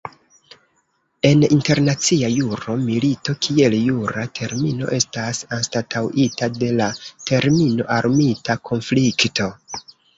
En internacia juro, milito kiel jura termino estas anstataŭita de la termino "armita konflikto".